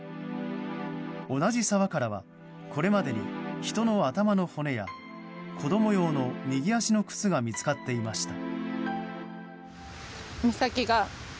同じ沢からはこれまでに人の頭の骨や子供用の右足の靴が見つかっていました。